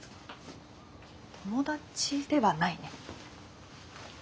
友達ではないね。